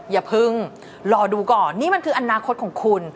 อย่าเพิ่งรอดูก่อนนี่มันคืออนาคตของคุณ